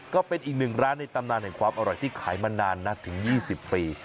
ก็เป็นอีกหนึ่งร้านในตำนานแห่งความอร่อยที่ขายมานานนะถึง๒๐ปี